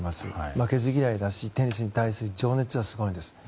負けず嫌いだし、テニスに対する情熱がすごいんです。